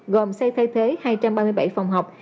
gồm xây thay thế hai trăm ba mươi bảy phòng học